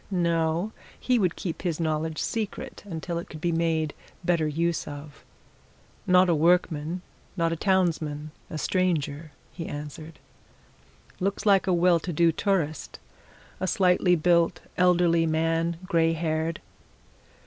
No he would keep his knowledge secret until it could be made better use of. "Not a workman not a townsman a stranger," he answered. "Looks like a well to do tourist. A slightly built, elderly man grey haired."